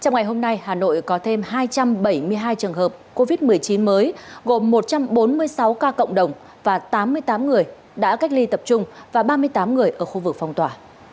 trong ngày hôm nay hà nội có thêm hai trăm bảy mươi hai trường hợp covid một mươi chín mới gồm một trăm bốn mươi sáu ca cộng đồng và tám mươi tám người đã cách ly tập trung và ba mươi tám người ở khu vực phong tỏa